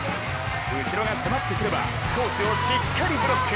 後ろが迫ってくればコースをしっかりブロック。